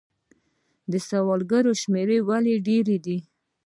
د سوالګرو شمیر ولې ډیر دی؟